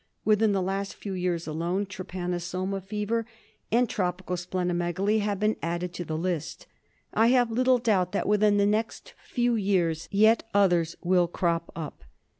Within the last few years alone, trypan osoma fever and tropical spleno megaly have been added to the list : I have little doubt that within the next few years yet others will crop up.